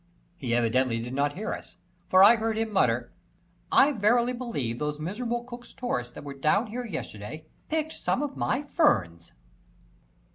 He evidently did not hear us, for I heard him mutter: "I verily believe those miserable Cook's tourists that were down here yesterday picked some of my ferns."